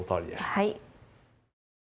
はい。